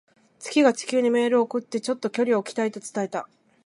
月が地球にメールを送って、「ちょっと距離を置きたい」と伝えた。